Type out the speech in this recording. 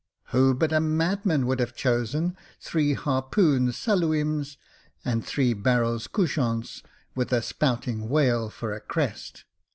Who but 138 Jacob Faithful a madman would have chosen three harpoons saluims, and three barrels couchants, with a spouting whale for a crest